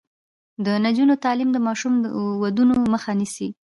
د نجونو تعلیم د ماشوم ودونو مخه نیسي.